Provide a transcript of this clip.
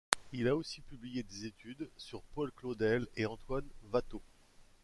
Il a aussi publié des études sur Paul Claudel et Antoine Watteau.